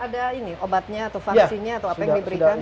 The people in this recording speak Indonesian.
ada ini obatnya atau vaksinnya atau apa yang diberikan